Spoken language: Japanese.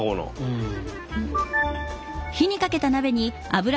うん。